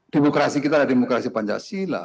demokrasi kita adalah demokrasi pancasila